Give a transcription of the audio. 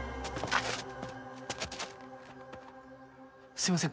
すいません